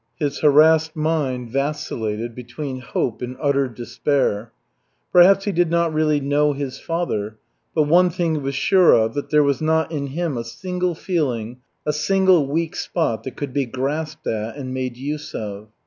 His harassed mind vacillated between hope and utter despair. Perhaps he did not really know his father, but one thing he was sure of, that there was not in him a single feeling, a single weak spot that could be grasped at and made use of.